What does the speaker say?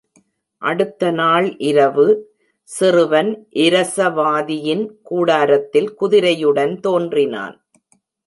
அடுத்த நாள் இரவு, சிறுவன் இரசவாதியின் கூடாரத்தில் குதிரையுடன் தோன்றினான்.